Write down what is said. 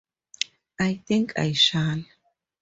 I think I shall.